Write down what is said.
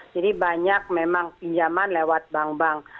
jadi banyak memang pinjaman lewat bank bank